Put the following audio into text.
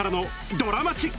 ドラマチック！